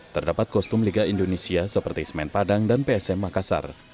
terdapat kostum liga indonesia seperti semen padang dan psm makassar